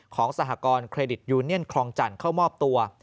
สหกรณเครดิตยูเนียนคลองจันทร์เข้ามอบตัว